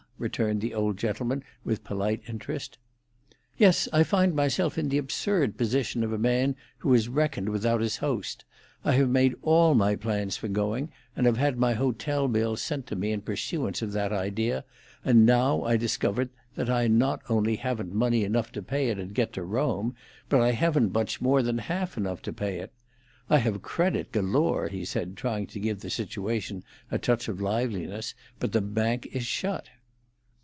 returned the old gentleman, with polite interest. "Yes, I find myself in the absurd position of a man who has reckoned without his host. I have made all my plans for going, and have had my hotel bill sent to me in pursuance of that idea, and now I discover that I not only haven't money enough to pay it and get to Rome, but I haven't much more than half enough to pay it. I have credit galore," he said, trying to give the situation a touch of liveliness, "but the bank is shut."